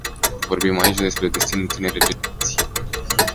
Vorbim aici despre destinul tinerei generații.